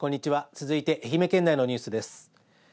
続いて愛媛県内のニュースです。